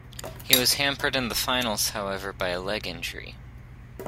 He was hampered in the finals, however, by a leg injury.